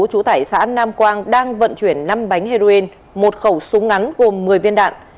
chú tải xã nam quang đang vận chuyển năm bánh heroin một khẩu súng ngắn gồm một mươi viên đạn